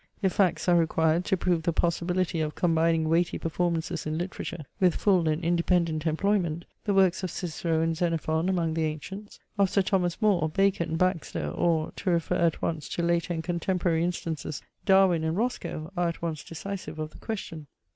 If facts are required to prove the possibility of combining weighty performances in literature with full and independent employment, the works of Cicero and Xenophon among the ancients; of Sir Thomas More, Bacon, Baxter, or to refer at once to later and contemporary instances, Darwin and Roscoe, are at once decisive of the question."